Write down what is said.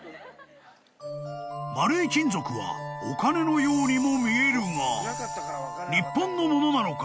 ［丸い金属はお金のようにも見えるが］